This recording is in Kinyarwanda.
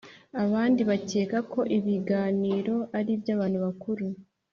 abandi bakeka ko ibi biganiro ari iby’abantu bakuru,